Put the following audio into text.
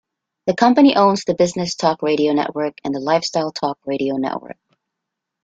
The company owns the Business Talk Radio Network and the Lifestyle Talk Radio Network.